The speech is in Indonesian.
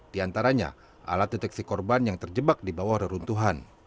di antaranya alat deteksi korban yang terjebak di bawah reruntuhan